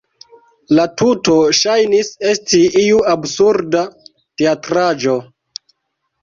La tuto ŝajnis esti iu absurda teatraĵo.